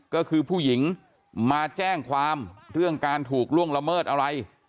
ก็คือผู้หญิงมาแจ้งความเรื่องการถูกล่วงละเมิดอะไร